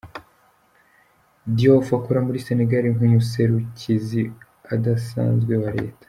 Diouf akora muri Senegal nk'umuserukizi adasanzwe wa leta.